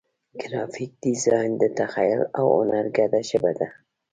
ګرافیک ډیزاین د تخیل او هنر ګډه ژبه ده.